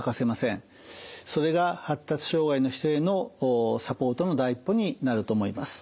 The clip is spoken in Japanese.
それが発達障害の人へのサポートの第一歩になると思います。